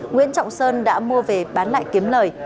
nguyễn trọng sơn đã mua về bán lại kiếm lời